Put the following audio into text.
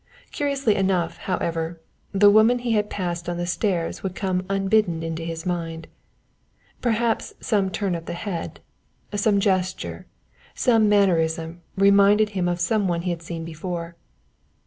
Curiously enough, however, the woman he had passed on the stairs would come unbidden into his mind. Perhaps some turn of the head, some gesture, some mannerism, reminded him of some one he had seen before.